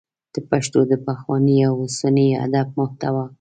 د پښتو د پخواني او اوسني ادب محتوا